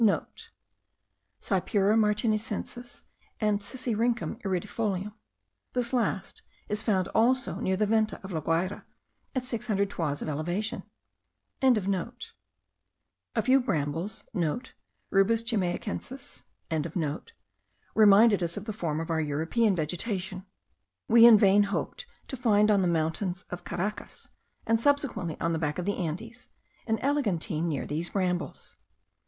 (* Cypura martinicensis, and Sisyrinchium iridifolium. This last is found also near the Venta of La Guayra, at 600 toises of elevation.) A few brambles* (* Rubus jamaicensis.) remind us of the form of our European vegetation. We in vain hoped to find on the mountains of Caracas, and subsequently on the back of the Andes, an eglantine near these brambles.